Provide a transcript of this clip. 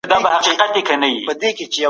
څېړونکی بايد امانتدار وي.